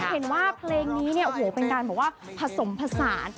เห็นว่าเพลงนี้คือแผสมภาษา